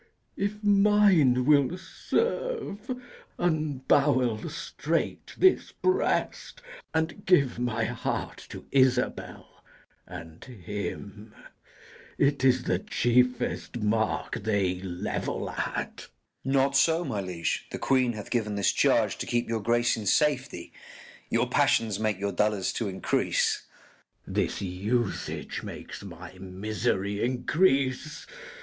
If mine will serve, unbowel straight this breast, And give my heart to Isabel and him: It is the chiefest mark they level at. _Gur._Not so, my liege: the queen hath given this charge, To keep your grace in safety: Your passions make your dolours to increase. K. Edw. This usage makes my misery increase.